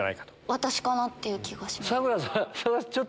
私かなっていう気がします。